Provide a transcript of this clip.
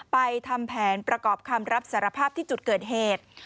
ทำแผนประกอบคำรับสารภาพที่จุดเกิดเหตุ